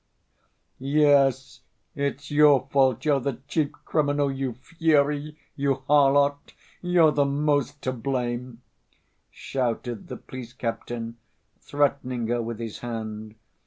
"Yes, it's your fault! You're the chief criminal! You fury! You harlot! You're the most to blame!" shouted the police captain, threatening her with his hand.